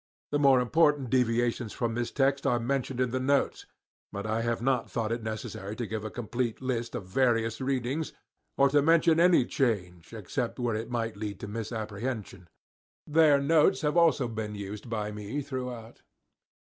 The more important deviations from this text are mentioned in the notes; but I have not thought it necessary to give a complete list of various readings, or to mention any change except where it might lead to misapprehension. Their notes have also been used by me throughout.